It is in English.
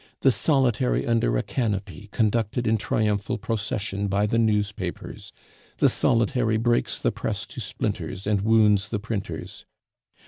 "The Solitary under a canopy conducted in triumphal procession by the newspapers. The Solitary breaks the press to splinters, and wounds the printers.